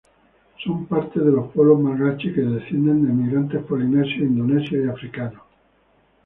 Son parte de los pueblos malgaches que descienden de emigrantes polinesios, indonesios y africanos.